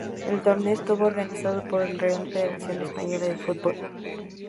El torneo estuvo organizado por la Real Federación Española de Fútbol.